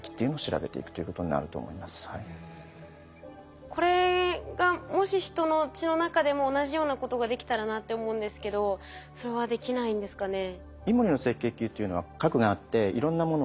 今これがもし人の血の中でも同じようなことができたらなって思うんですけどそれはできないんですかね？